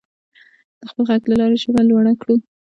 د خپل غږ له لارې ژبه لوړه کړو.